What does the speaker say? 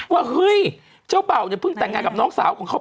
ว่าเฮ้ยเจ้าเบ่าเนี่ยเพิ่งแต่งงานกับน้องสาวของเขา